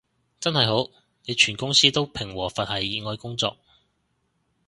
真係好，你全公司都平和佛系熱愛工作